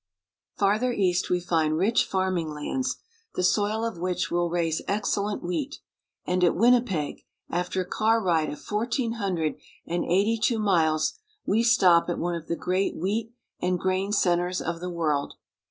319 Farther east we find rich farming lands, the soil of which will raise excellent wheat ; and at Winnipeg, after a car ride of fourteen hundred and eighty two miles, we stop at one of the great wheat and grain centers of the world.